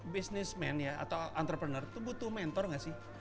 businessman ya atau entrepreneur tuh butuh mentor gak sih